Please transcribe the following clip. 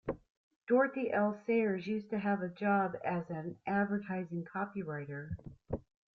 Dorothy L Sayers used to have a job as an advertising copywriter